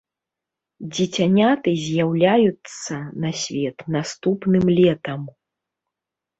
Дзіцяняты з'яўляюцца на свет наступным летам.